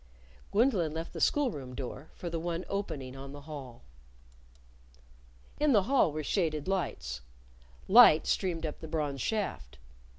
Gwendolyn left the school room door for the one opening on the hall. In the hall were shaded lights. Light streamed up the bronze shaft.